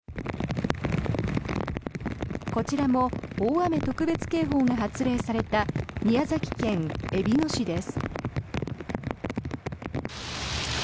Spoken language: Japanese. こちらも大雨特別警報が発令された宮崎県えびの市です。